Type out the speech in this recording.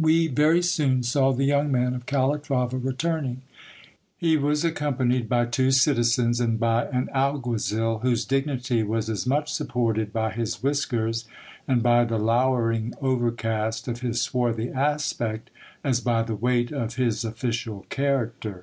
VN e very soon saw the young man of Calatrava returning. He was accom panied by two citizens and by an alguazil, whose dignity was as much supported by his whiskers, and by the lowering overcast of &s swarthy aspect, as by the weight of his official character.